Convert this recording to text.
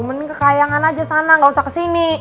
mending kekayangan aja sana nggak usah kesini